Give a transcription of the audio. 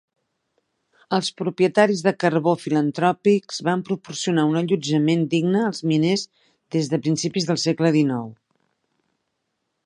Els propietaris de carbó filantròpics van proporcionar un allotjament digne als miners des de principis del segle XIX.